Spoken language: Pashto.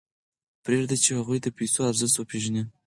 پرېږدئ چې هغوی د پیسو ارزښت وپېژني.